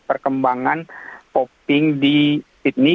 perkembangan popping di sydney